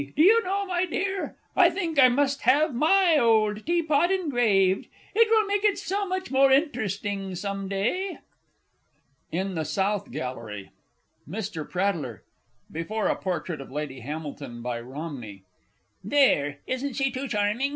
Do you know, my dear, I think I must have my old tea pot engraved. It will make it so much more interesting some day! IN THE SOUTH GALLERY. MR. PRATTLER (before a portrait of Lady Hamilton by Romney). There! Isn't she too charming?